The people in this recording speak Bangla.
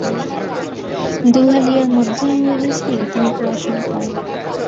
দুহালিয়ার মধ্য ইংরেজি স্কুলে তিনি পড়াশোনা করেন।